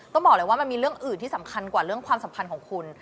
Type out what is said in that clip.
ต้องบอกเลยว่ามันมีเรื่องอื่นที่สำคัญกว่าเรื่องความสัมพันธ์ของคุณ